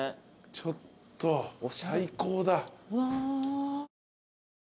ちょっと最高だ。